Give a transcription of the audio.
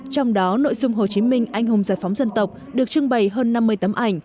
trong đó nội dung hồ chí minh anh hùng giải phóng dân tộc được trưng bày hơn năm mươi tấm ảnh